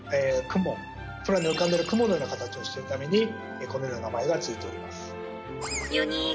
空に浮かんでいる雲のような形をしているためにこのような名前が付いております。